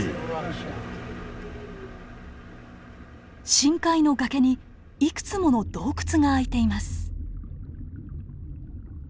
深海の崖にいくつもの洞窟があいています。